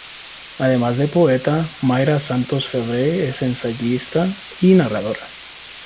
Además de poeta, Mayra Santos-Febres es ensayista, y narradora.